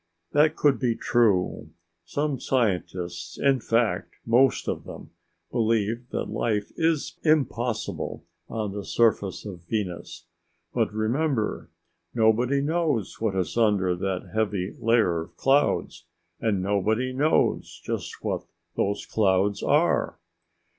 That could be true. Some scientists, in fact most of them, believe that life is impossible on the surface of Venus. But remember, nobody knows what is under that heavy layer of clouds, and nobody knows just what those clouds are.